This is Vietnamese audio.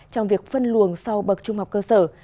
trong việc phân luồng sau bậc trung học cơ sở